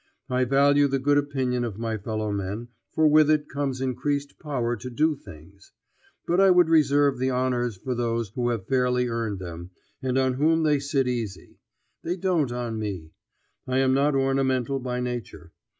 I value the good opinion of my fellow men, for with it comes increased power to do things. But I would reserve the honors for those who have fairly earned them, and on whom they sit easy. They don't on me. I am not ornamental by nature.